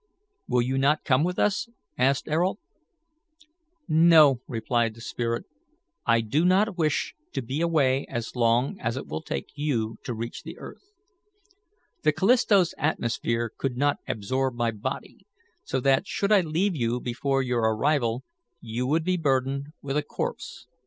"Will you not come with us?" asked Ayrault. "No," replied the spirit. "I do not wish to be away as long as it will take you to reach the earth. The Callisto's atmosphere could not absorb my body, so that, should I leave you before your arrival, you would be burdened with a corpse.